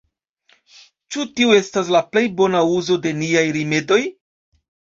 Ĉu tiu estas la plej bona uzo de niaj rimedoj?